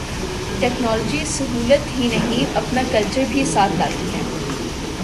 Technology سہولت ہی نہیں، اپنا کلچر بھی ساتھ لاتی ہے۔